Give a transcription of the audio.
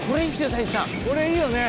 これいいよね。